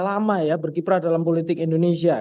lama ya berkiprah dalam politik indonesia